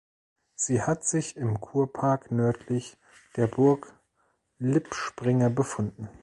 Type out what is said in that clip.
Sie hat sich im Kurpark nördlich der Burg Lippspringe befunden.